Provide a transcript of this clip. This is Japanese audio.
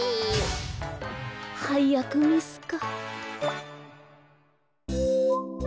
はいやくミスか。